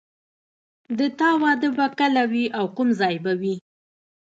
د تا واده به کله وي او کوم ځای به وي